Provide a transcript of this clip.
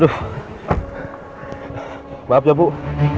sekitar sepuluh menit kemudian